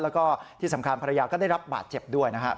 แล้วก็ที่สำคัญภรรยาก็ได้รับบาดเจ็บด้วยนะครับ